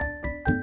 team luar bang